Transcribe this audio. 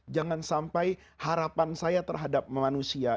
jangan sampai harapan saya terhadap manusia